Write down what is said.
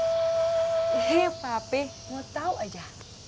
eh pak pi mau tahu aja